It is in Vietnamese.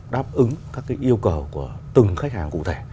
đáp ứng các yêu cầu của từng khách hàng cụ thể